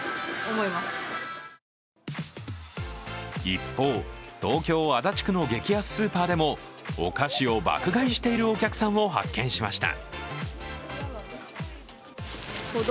一方、東京・足立区の激安スーパーでもお菓子を爆買いしているお客さんを発見しました。